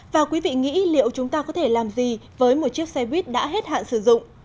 và quý vị nghĩ liệu chúng ta có thể làm gì với một chiếc xe buýt đã hết hạn sử dụng